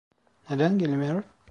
Neden gelmiyor?